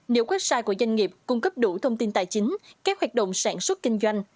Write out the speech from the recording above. nếu website của doanh nghiệp cung cấp đủ thông tin tài chính các hoạt động sản xuất kinh doanh